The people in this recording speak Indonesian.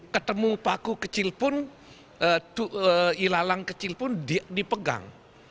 ketemu paku kecil pun ilalang kecil pun dipegang